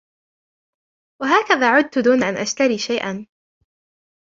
وهكذا عدت دون أن أشتري شيئاً